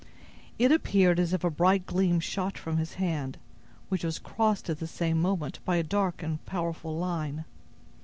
It appeared as if a bright gleam shot from his hand, which was crossed at the same moment by a dark and powerful line.